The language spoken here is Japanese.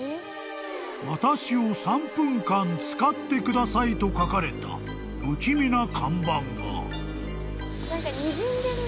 ［「私を３分間使って下さい」と書かれた不気味な看板が］